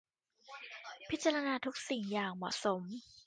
พิจารณาทุกสิ่งอย่างเหมาะสม